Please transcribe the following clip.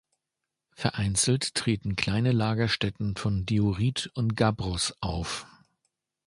Vereinzelt treten kleine Lagerstätten von Diorit und Gabbros auf.